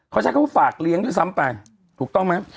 เขาใช้คำว่าฝากเลี้ยงด้วยซ้ำไปถูกต้องไหม